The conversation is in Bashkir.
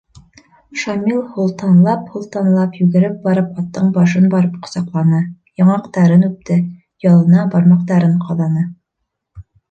Шамил һултанлап-һултанлап йүгереп барып аттың башын барып ҡосаҡланы, яңаҡтарын үпте, ялына бармаҡтарын ҡаҙаны.